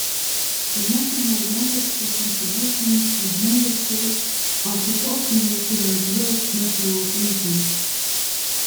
The national mandatory contributions of member states are proportional to their gross national income.